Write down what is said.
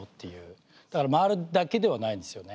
だから回るだけではないんですよね。